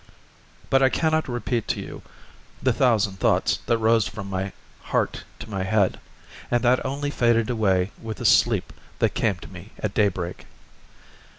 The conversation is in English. But I can not repeat to you the thousand thoughts that rose from my heart to my head, and that only faded away with the sleep that came to me at daybreak.